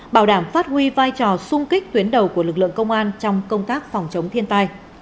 bảo đảm phát huy vai trò sung kích tuyến đầu của lực lượng công an trong công tác phòng chống thiên tai